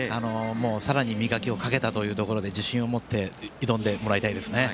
さらに磨きをかけたということで自信を持って挑んでもらいたいですね。